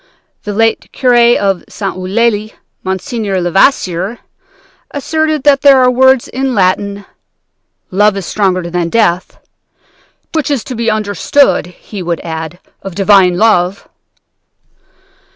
The late curé of St. Eulalie, Monsieur Levasseur, asserted that there are the words in Latin, Love is stronger than death, 'which is to be understood,' so he would add, 'of divine love.'